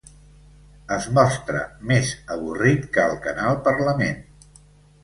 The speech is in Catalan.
Es mostra més avorrit que el Canal Parlament.